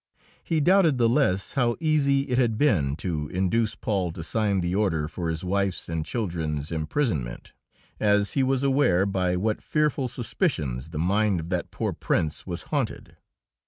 He doubted the less how easy it had been to induce Paul to sign the order for his wife's and children's imprisonment, as he was aware by what fearful suspicions the mind of that poor Prince was haunted.